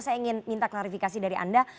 saya ingin minta klarifikasi dari anda